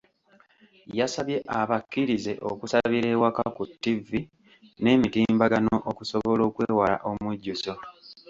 Yasabye abakkirize okusabira ewaka ku ttivvi n’emitimbagano okusobola okwewala omujjuzo.